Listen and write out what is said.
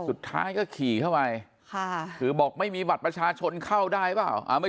สุดท้ายก็ขี่เข้าไปค่ะคือบอกไม่มีบัตรประชาชนเข้าได้เปล่าไม่